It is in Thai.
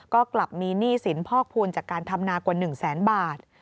ก็กลับมีหนี้สินพอกภูมิจากการทำนากว่า๑แสนบาท